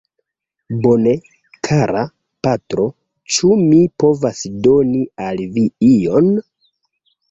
Bone, kara patro; ĉu mi povas doni al vi ion?